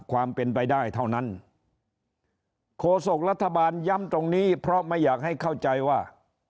ความเป็นไปได้เท่านั้นโคศกรัฐบาลย้ำตรงนี้เพราะไม่อยากให้เข้าใจว่า